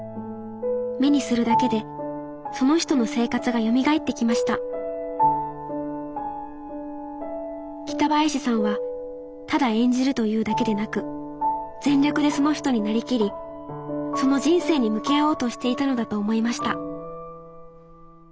目にするだけでその人の生活がよみがえってきました北林さんはただ演じるというだけでなく全力でその人に成りきりその人生に向き合おうとしていたのだと思いました